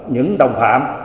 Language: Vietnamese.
những đồng phạm